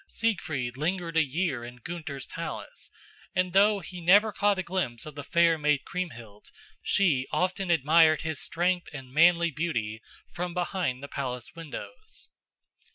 Siegfried lingered a year in Gunther's palace, and though he never caught a glimpse of the fair maid Kriemhild, she often admired his strength and manly beauty from behind the palace windows.